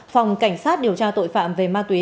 phòng cảnh sát điều tra tội phạm về ma túy